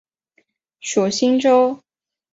属新州。